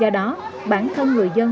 do đó bản thân người dân